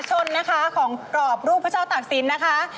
ซึ่งราคามหาชนของกรอบรูปพระเจ้าตากศิลป์นะคะ